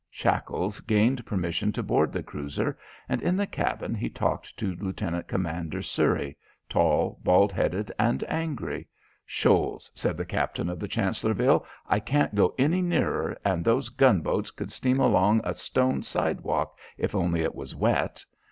Shackles gained permission to board the cruiser, and in the cabin, he talked to Lieutenant Commander Surrey, tall, bald headed and angry. "Shoals," said the captain of the Chancellorville. "I can't go any nearer and those gunboats could steam along a stone sidewalk if only it was wet."